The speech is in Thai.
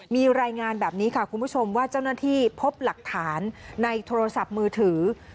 มีรายงานแบบนี้ค่ะคุณผู้ชมว่าเจ้าหน้าที่พบหลักฐานในโทรศัพท์มือถือ